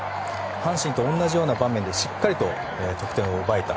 阪神と同じような場面でしっかりと得点を奪えた。